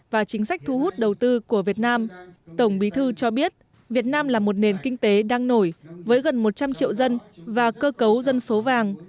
và chính sách thu hút đầu tư của việt nam tổng bí thư cho biết việt nam là một nền kinh tế đang nổi với gần một trăm linh triệu dân và cơ cấu dân số vàng